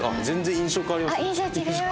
印象変わります。